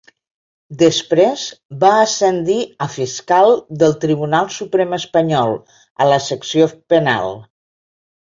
Després va ascendir a fiscal del Tribunal Suprem espanyol a la secció penal.